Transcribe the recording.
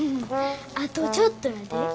あとちょっとやで。